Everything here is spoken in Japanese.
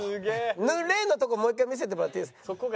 「塗れ！」のところもう１回見せてもらっていいですか？